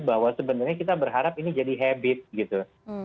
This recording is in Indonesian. bahwa sebenarnya kita berharap ini jadi habit gitu